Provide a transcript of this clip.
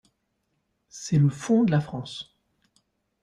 C'est le fonds de la France.